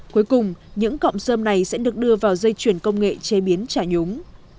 cuối cùng những cọm dơm này sẽ được đưa vào dây chuyển công nghệ chế biến trà nhúng